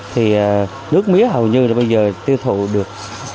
thì nước mía hầu như là bây giờ tiêu thụ được